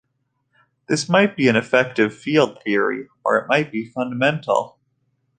This might be an effective field theory or it might be fundamental.